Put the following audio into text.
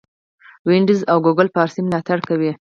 وینډوز او ګوګل فارسي ملاتړ کوي.